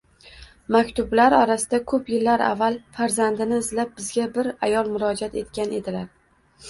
Maktublar orasida ko‘p yillar avval farzandini izlab bizga bir ayol murojat etgan edilar.